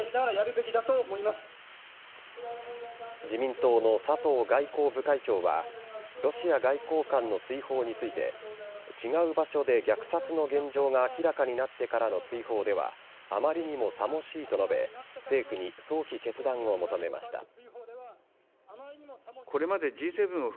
自民党の佐藤外交部会長はロシア外交官の追放について違う場所で虐殺の現状が明らかになってからの追放ではあまりにもさもしいと述べ政府に早期決断を求めました。